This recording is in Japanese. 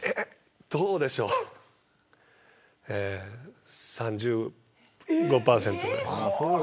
どうでしょう、３５％ぐらい。